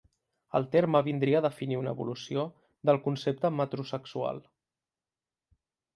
El terme vindria a definir una evolució del concepte metrosexual.